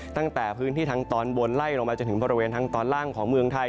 ตั้งแต่พื้นที่ทางตอนบนไล่ลงมาจนถึงบริเวณทางตอนล่างของเมืองไทย